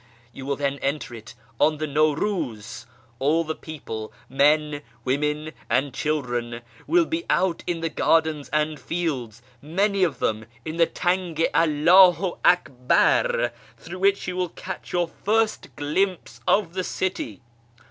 You will then enter it on the Nawruz : all the people — men, women, and children — will be out in the gardens and fields ; many of them in the Tan/i i Alldhu jiTcbar, through which you will catch your first glimpse of the city.